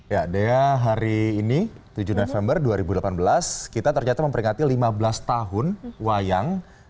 ya dea hari ini tujuh november dua ribu delapan belas kita ternyata memperingati lima belas tahun wayang